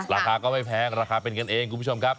ราคาก็ไม่แพงราคาเป็นกันเองคุณผู้ชมครับ